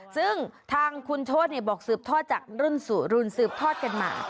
ซึ่งทางคุณโชธบอกสืบทอดจากรุ่นสู่รุ่นสืบทอดกันมา